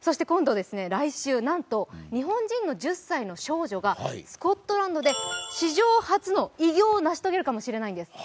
来週、なんと日本人の１０歳の少女がスコットランドで史上初の偉業をなし遂げるかもしれないんです。